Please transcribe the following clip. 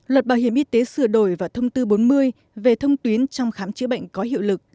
luật bảo hiểm y tế sửa đổi và thông tư bốn mươi về thông tuyến trong khám chữa bệnh có hiệu lực